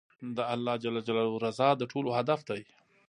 د الله رضا د ټولو هدف دی.